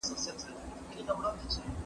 د طلاق د نيت پرته د طلاق ويل هم طلاق واقع کوي.